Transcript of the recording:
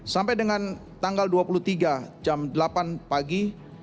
sampai dengan tanggal dua puluh tiga jam delapan pagi